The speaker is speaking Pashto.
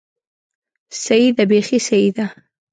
سيي ده، بېخي سيي ده!